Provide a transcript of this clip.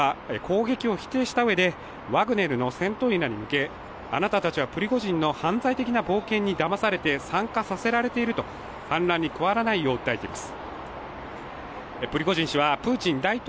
ロシア国防省は攻撃を否定したうえで、ワグネルの戦闘員らに向けあなたたちはプリゴジンの犯罪的な冒険にだまされて参加させられていると反乱に加わらないよう訴えています。